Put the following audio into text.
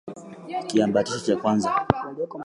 Kiambatisho cha kwanza